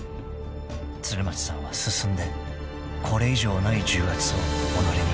［鶴松さんは進んでこれ以上ない重圧を己にかけたのです］